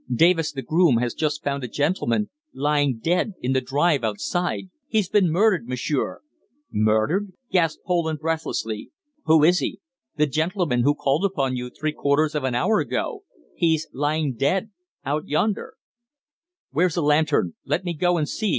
Davis, the groom, has just found a gentleman lying dead in the drive outside. He's been murdered, m'sieur!" "Murdered!" gasped Poland breathlessly. "Who is he?" "The gentleman who called upon you three quarters of an hour ago. He's lying dead out yonder." "Where's a lantern? Let me go and see!"